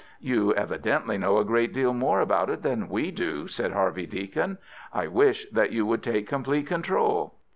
"You evidently know a great deal more about it than we do," said Harvey Deacon; "I wish that you would take complete control."